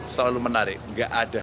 selalu menarik gak ada